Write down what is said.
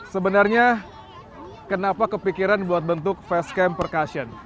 sebenarnya kenapa kepikiran buat bentuk fast camp percussion